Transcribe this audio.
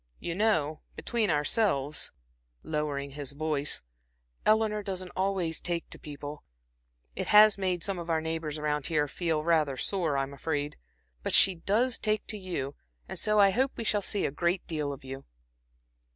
You know, between ourselves" lowering his voice "Eleanor doesn't always take to people; it has made some of our neighbors around here feel rather sore I'm afraid. But she does take to you, and so I hope we shall see a great deal of you."